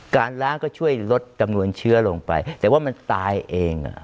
การล้างก็ช่วยลดจำนวนเชื้อลงไปแต่ว่ามันตายเอง